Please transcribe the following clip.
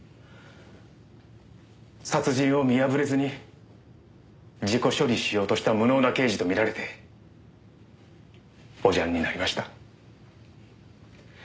殺人を見破れずに事故処理しようとした無能な刑事と見られておじゃんになりました。